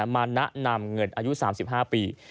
มาแนะนำเงินอายุ๓๕ปี